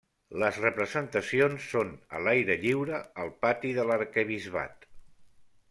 Les representacions són a l'aire lliure, al pati de l'arquebisbat.